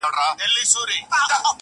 o د ډول اواز له ليري ښه خوند کوي.